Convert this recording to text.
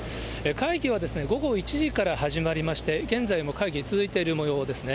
会議は午後１時から始まりまして、現在も会議、続いているもようですね。